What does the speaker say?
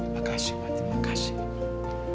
makasih mat makasih